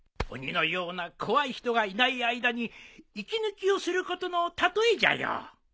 鬼のような怖い人がいない間に息抜きをすることの例えじゃよ。